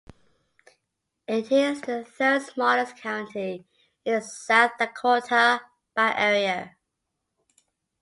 It is the third-smallest county in South Dakota by area.